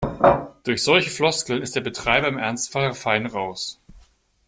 Durch solche Floskeln ist der Betreiber im Ernstfall fein raus.